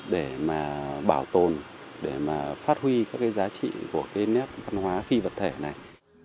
để mà bảo tồn để mà phát huy các cái giá trị của cái nét văn hóa phi vật thể này